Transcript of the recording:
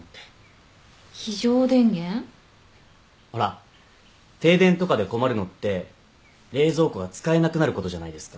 ほら停電とかで困るのって冷蔵庫が使えなくなることじゃないですか。